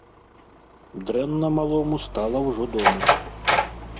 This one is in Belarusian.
Дрэнна малому стала ўжо дома.